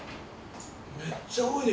めっちゃ多いね